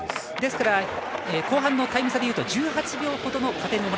ですから、後半のタイム差だと１８秒ほどの加点。